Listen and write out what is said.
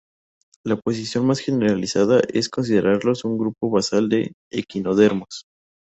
La posición más generalizada es considerarlos un grupo basal de equinodermos.